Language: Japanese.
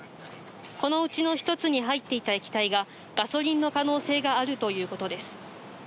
このうちの１つに入っていた液体が、ガソリンの可能性があるということです。